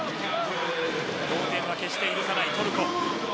同点は決して許さないトルコ。